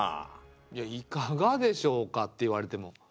いや「いかがでしょうか」って言われても。